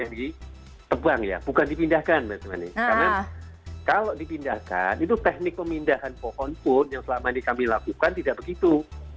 karena kalau dipindahkan itu teknik pemindahan pohon pun yang selama ini kami lakukan tidak begitu